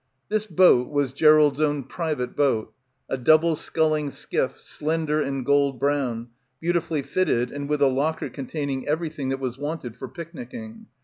This boat was Gerald's own private boat, a double sculling skiff, slender and gold brown, beautifully fitted and with a locker containing everything that was wanted for picnicking.